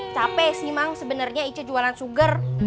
capek sih mang sebenernya icu jualan sugar